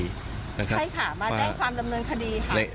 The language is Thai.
ใช่ค่ะมาแจ้งความดำเนินคดีค่ะ